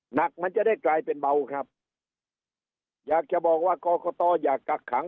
มันจะได้กลายเป็นเบาครับอยากจะบอกว่ากรกตอยากกักขัง